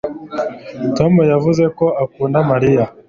tom yavuze ko akunda mariya